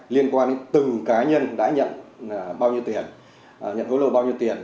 liên quan đến từng cá nhân đã nhận bao nhiêu tiền nhận hối lộ bao nhiêu tiền